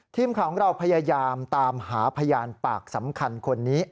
ทีมข่าวของเราพยายามตามหาพยานปากสำคัญคนนี้